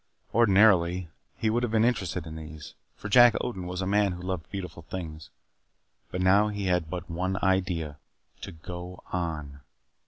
Ordinarily he would have been interested in these, for Jack Odin was a man who loved beautiful things, but now he had but one idea: To go on.